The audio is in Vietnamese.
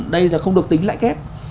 đây là không được tính lại kép